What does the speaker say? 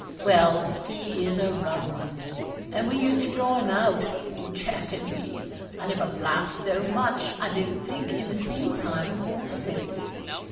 Well, he is a rum one; and we used to draw him out poor Jack and me. I never laughed so much, I don't think, in the same time, before or since.